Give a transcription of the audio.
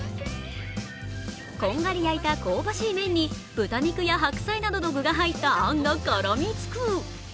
こんがり焼いた香ばしい麺に豚肉や白菜などの具が入ったあんが絡みつく。